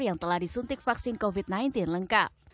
yang telah disuntik vaksin covid sembilan belas lengkap